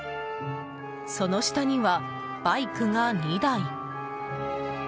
その下には、バイクが２台。